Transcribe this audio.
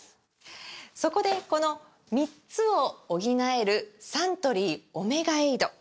そこでこの３つを補えるサントリー「オメガエイド」！